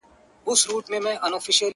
شپه مي نیمی که له آذانه پر ما ښه لګیږي -